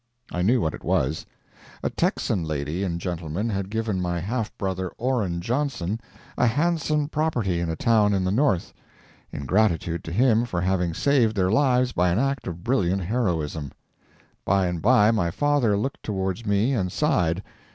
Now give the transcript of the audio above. I knew what it was. A Texan lady and gentleman had given my half brother, Orrin Johnson, a handsome property in a town in the North, in gratitude to him for having saved their lives by an act of brilliant heroism. By and by my father looked towards me and sighed.